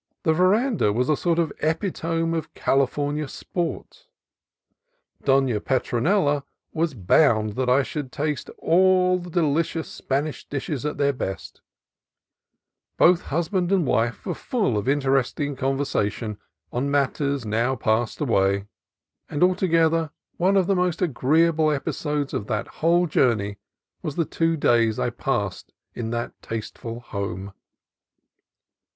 The veranda was a sort of epitome of California sport; Dona Petronela was bound that I should taste all the delicious Spanish dishes at their best ; both husband and wife were full of inter esting conversation on matters and manners now passed away ; and altogether, one of the most agree able episodes of the whole journey was the two days I passed in that tasteful home.